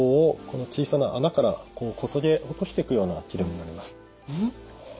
この小さな孔からこそげ落としていくような治療になります。